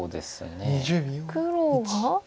黒は？